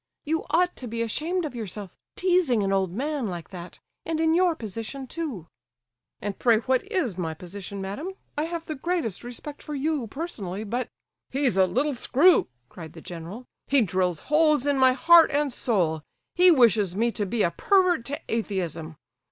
"You ought to be ashamed of yourself, teasing an old man like that—and in your position, too." "And pray what is my position, madame? I have the greatest respect for you, personally; but—" "He's a little screw," cried the general; "he drills holes in my heart and soul. He wishes me to be a pervert to atheism.